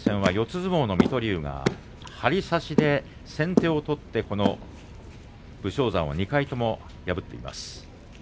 相撲の水戸龍が張り差しで先手を取って武将山を２回とも破っています。